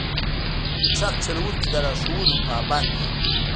د ټرک چلوونکي د لارښوونو پابند وي.